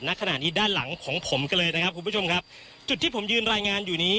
ณขณะนี้ด้านหลังของผมกันเลยนะครับคุณผู้ชมครับจุดที่ผมยืนรายงานอยู่นี้